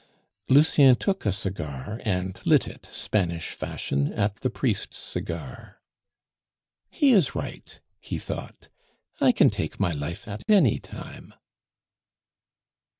Lucien took a cigar and lit it, Spanish fashion, at the priest's cigar. "He is right," he thought; "I can take my life at any time."